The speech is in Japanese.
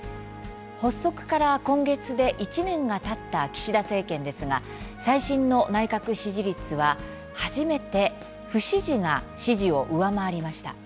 発足から今月で１年がたった岸田政権ですが、最新の内閣支持率は、初めて不支持が支持を上回りました。